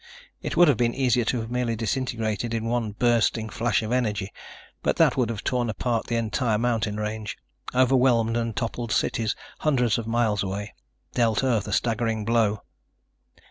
It would have been easier to have merely disintegrated in one bursting flash of energy, but that would have torn apart the entire mountain range, overwhelmed and toppled cities hundreds of miles away, dealt Earth a staggering blow.